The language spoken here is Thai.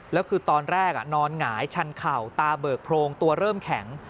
แล้วคือตอนแรกนอนหงายชันเข่าตาเบิกโพรงตัวเริ่มแข็ง